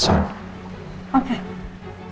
saya yang anterin ya